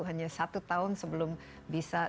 hanya satu tahun sebelum bisa